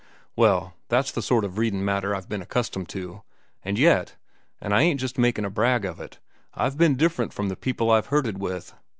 Well, that's the sort of readin' matter I've ben accustomed to. And yet—an' I ain't just makin' a brag of it—I've ben different from the people I've herded with.